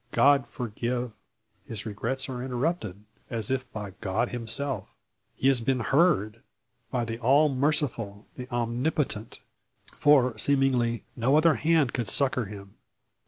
God forgive " His regrets are interrupted, as if by God Himself. He has been heard by the All Merciful, the Omnipotent; for seemingly no other hand could now succour him.